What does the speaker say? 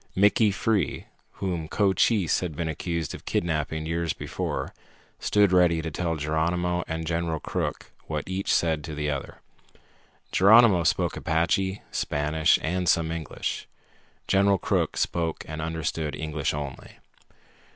Mickey Free, whom Cochise had been accused of kidnapping years before, stood ready to tell Geronimo and General Crook what each said to the other. Geronimo spoke Apache, Spanish, and some English. General Crook spoke and understood English only.